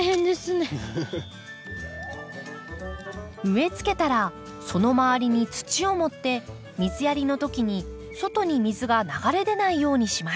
植えつけたらその周りに土を盛って水やりの時に外に水が流れ出ないようにします。